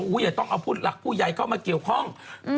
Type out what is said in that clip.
ใจแล้วล่ะว่าอย่าต้องเอาพูดหลักผู้ใหญ่เข้ามาเกี่ยวข้อง